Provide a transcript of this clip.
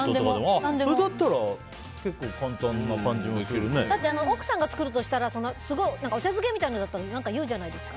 それだったら奥さんが作るとしたらお茶漬けみたいなのだったら言うじゃないですか。